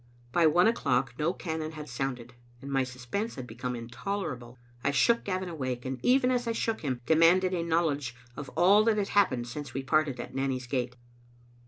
By one o'clock no cannon had sounded, and my suspense had become intolerable. I shook Gavin awake, and even as I shook him demanded a knowledge of all that had happened since we parted at Nanny's gate.